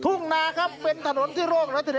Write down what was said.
ทุ่งนาครับเป็นถนนที่โลก๐๐๐๔